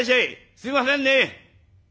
すいませんね。